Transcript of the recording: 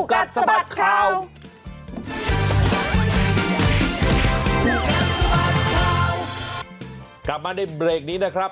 กลับมาในเบรกนี้นะครับ